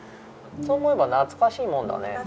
そう思えば懐かしいもんだね。